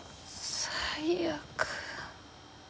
最悪。